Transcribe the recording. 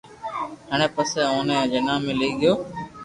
ھتي پسي اوني جناح ۾ لئي گيو